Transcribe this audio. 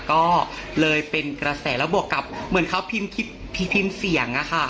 ก็เลยเป็นกระแสแล้วบวกกับเหมือนเขาพิมพ์คลิปพิมพ์เสียงอะค่ะ